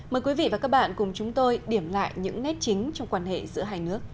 mời quý vị và các bạn cùng chúng tôi điểm lại những nét chính trong quan hệ giữa hai nước